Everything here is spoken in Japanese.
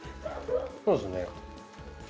そうですね。